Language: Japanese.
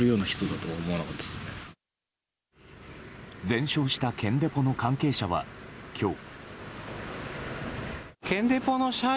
全焼した建デポの関係者は今日。